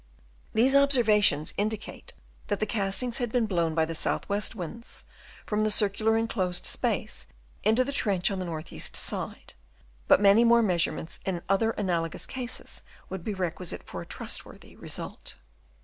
These observations indicate that the castings had been blown by the south west winds from the circular enclosed space into x 292 DENUDATION OF THE LAND. Chap. VI. the trench on the north east side ; hut many more measurements in other analogous cases would he requisite for a trustworthy result.